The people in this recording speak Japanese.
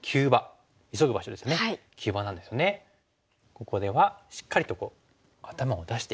ここではしっかりと頭を出して。